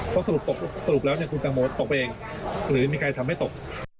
เพราะสรุปแล้วคุณแตงโมตกไปเองหรือมีใครทำให้ตก